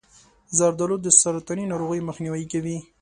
زردآلو د سرطاني ناروغیو مخنیوی کوي.